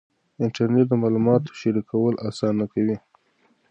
انټرنېټ د معلوماتو شریکول اسانه کوي.